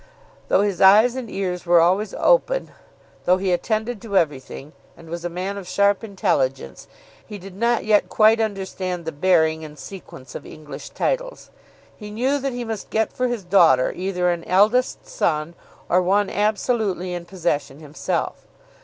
Though his eyes and ears were always open, though he attended to everything, and was a man of sharp intelligence, he did not yet quite understand the bearing and sequence of English titles. He knew that he must get for his daughter either an eldest son, or one absolutely in possession himself.